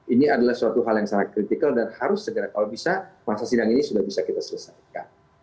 ini adalah suatu hal yang sangat kritikal dan harus segera kalau bisa masa sidang ini sudah bisa kita selesaikan